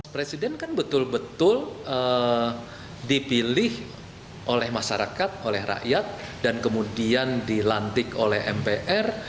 presiden kan betul betul dipilih oleh masyarakat oleh rakyat dan kemudian dilantik oleh mpr